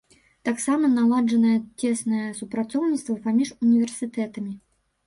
Таксама наладжанае цеснае супрацоўніцтва паміж універсітэтамі.